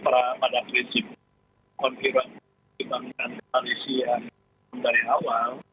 tapi pada prinsip konfiruasi dibangunkan koalisi yang dari awal